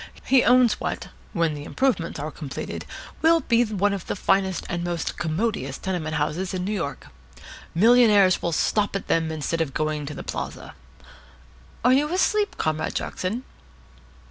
He owns what, when the improvements are completed, will be the finest and most commodious tenement houses in New York. Millionaires will stop at them instead of going to the Plaza. Are you asleep, Comrade Jackson?"